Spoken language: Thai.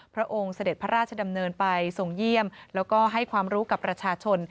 พระองค์เสด็จพระราชดำเนินไปทรงเยี่ยมแล้วก็ให้ความรู้กับประชาชน